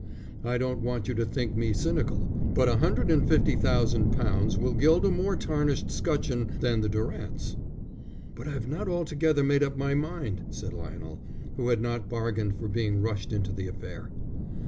I don't want you to think me cynical, but a hundred and fifty thousand pounds will gild a more tarnished scutcheon than the Durants'." "But I've not altogether made up my mind," said Lionel, who had not bargained for being rushed into the affair.